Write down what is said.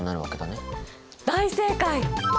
大正解！